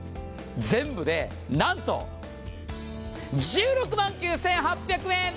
全部でなんと１６万９８００円！